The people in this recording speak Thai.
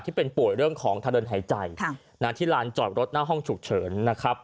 ป่วยเป็นป่วยเรื่องของทะเดินหายใจที่ลานจอดรถหน้าห้องฉุกเฉินนะครับ